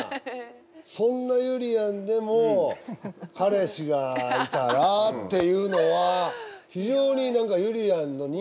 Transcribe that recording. そんなゆりやんでも彼氏がいたらっていうのは非常に何かゆりやんの人間らしさを見たというか。